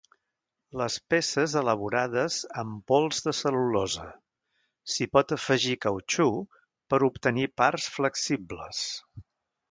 Les peces elaborades amb pols de cel·lulosa s'hi pot afegir cautxú per obtenir parts flexibles.